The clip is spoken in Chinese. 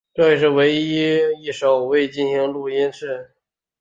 这也是唯一一首未收录进录音室专辑或精选集中的曲目。